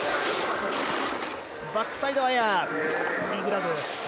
バックサイドはエア。